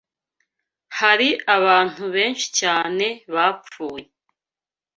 Hari abantu benshi cyane bapfuye.